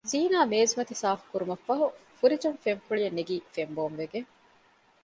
ޒީނާ މޭޒުމަތި ސާފުކުރުމަށްފަހު ފުރިޖުން ފެންފުޅިއެން ނެގީ ފެންބޯންވެގެން